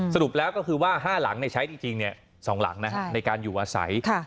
สรุปแล้วก็คือว่า๕หลังในชัยที่จริงเนี่ย๒หลังนะในการอยู่อาศัย